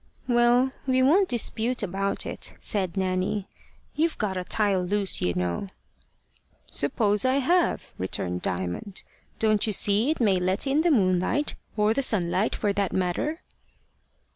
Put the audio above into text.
"Well, we won't dispute about it," said Nanny: "you've got a tile loose, you know." "Suppose I have," returned Diamond, "don't you see it may let in the moonlight, or the sunlight for that matter?"